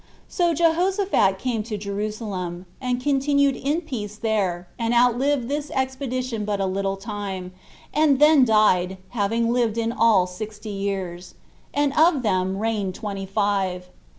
So Jehoshaphat came to Jerusalem, and continued in peace there, and outlived this expedition but a little time, and then died, having lived in all sixty years, and of them reigned twenty five.